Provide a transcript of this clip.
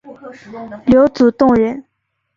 刘祖洞人。